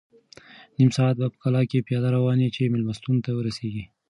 نیم ساعت به په کلا کې پیاده روان یې چې مېلمستون ته ورسېږې.